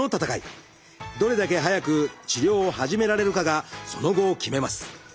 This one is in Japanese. どれだけ早く治療を始められるかがその後を決めます。